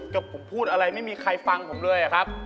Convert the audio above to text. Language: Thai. ก็ผมพูดอะไรไม่มีใครฟังผมเลยอะครับ